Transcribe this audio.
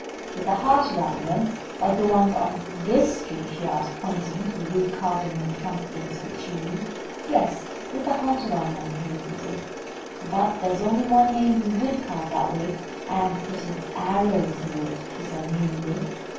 "With a heart around them, like the ones on this tree?" she asked, pointing to a rude carving on the trunk against which she leaned. "Yes, with a heart around them," he repeated. "But there's only one name you would carve that way, and put an arrow through it," she said, meaningly.